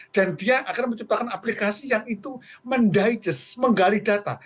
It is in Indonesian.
dan dia akhirnya menciptakan aplikasi yang itu mendigest menggali data